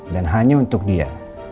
dan hanya untuk dia